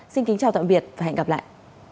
xin kính chào tạm biệt và hẹn gặp lại